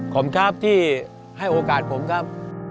ขอบคุณครับที่ให้โอกาสผมครับ